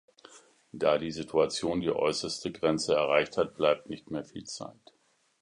Da die Situation die äußerste Grenze erreicht hat, bleibt nicht mehr viel Zeit.